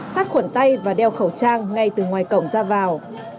sát khuẩn tay và đeo khẩu trang ngay từ ngoài cổng ra vào